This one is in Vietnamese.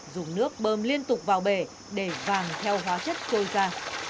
dùng nước bơm liên tục vào bể để vàng theo hóa chất trôi ra